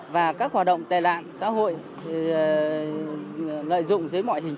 và các hoạt động tài lạng xã hội